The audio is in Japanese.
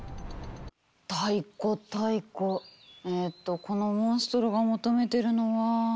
太鼓太鼓えっとこのモンストロが求めてるのは。